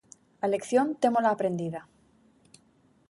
A lección témola aprendida.